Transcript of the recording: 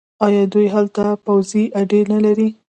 آیا دوی هلته پوځي اډې نلري؟